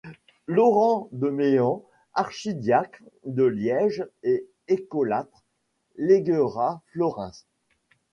Laurent de Méan, archidiacre de Liège et écolâtre, léguera florins.